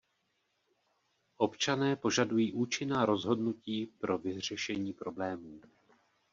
Občané požadují účinná rozhodnutí pro vyřešení problémů.